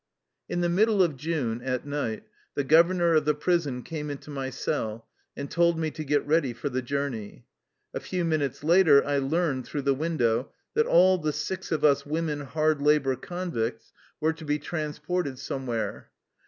In the middle of June, at night, the governor of the prison came into my cell and told me to get ready for the journey. A few minutes later I learned, through the window, that all the six of us women hard labor convicts were to be 169 THE LIFE STOKY OF A RUSSIAN EXILE transported somewbere.